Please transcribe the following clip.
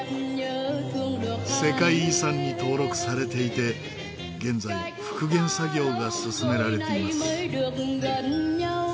世界遺産に登録されていて現在復元作業が進められています。